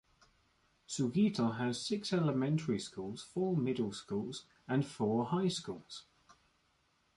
Sugito has six elementary schools, four middle schools and four high schools.